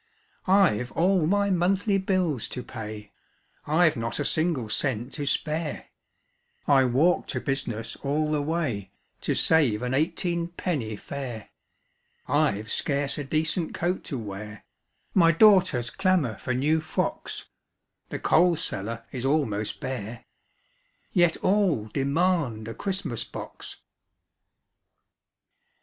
I've all my monthly bills to pay ; I've not a single cent to spare ; I walk to business all the way To save an eighteenpenny fare ; I've scarce a decent coat to wear ; My daughters clamour for new frocks ; The coal cellar is almost bare ; Yet all demand a Christmas box.